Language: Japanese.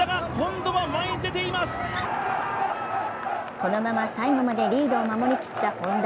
このまま最後までリードを守りきったＨｏｎｄａ。